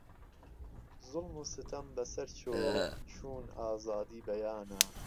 زوڵم و ستەم بە سەر چۆ چوون ئازادی بەیانە